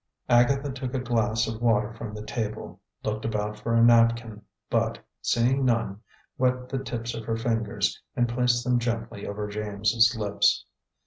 Agatha took a glass of water from the table, looked about for a napkin, but, seeing none, wet the tips of her fingers and placed them gently over James's lips.